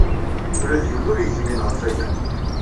Ula d yiwen ur yegmin ɣef waya.